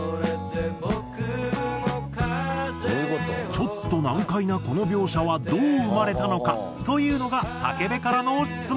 ちょっと難解なこの描写はどう生まれたのか？というのが武部からの質問。